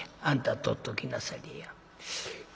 あんた取っときなされや」。